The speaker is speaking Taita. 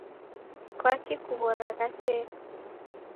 Kwaki kughoragha tee?